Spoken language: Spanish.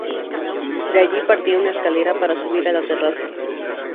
De allí partía una escalera para subir a la terraza.